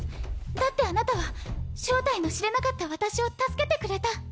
だってあなたは正体の知れなかった私を助けてくれた。